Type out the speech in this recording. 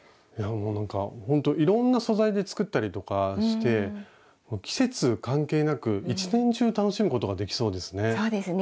なんかほんといろんな素材で作ったりとかして季節関係なく一年中楽しむことができそうですね。